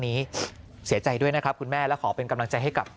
นี้เสียใจด้วยนะครับคุณแม่และขอเป็นกำลังใจให้กับ